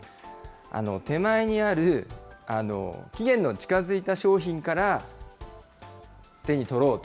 手前にある期限の近づいた商品から手に取ろうと。